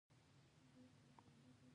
نیوټن د جاذبې قانون کشف کړ